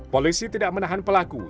polisi tidak menahan pelaku